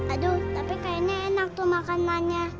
aduh tapi kayaknya enak tuh makanannya